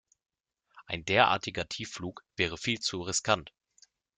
Ein derartiger Tiefflug wäre viel zu riskant.